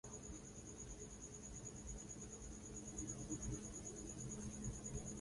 Baadhi ya waagizaji bidhaa hiyo wameendelea kuhodhi mafuta wakisubiri